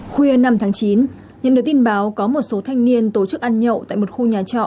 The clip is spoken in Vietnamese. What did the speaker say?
khuya năm tháng chín nhận được tin báo có một số thanh niên tổ chức ăn nhậu tại một khu nhà trọ